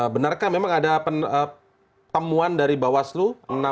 benarkah memang ada temuan dari bawaslu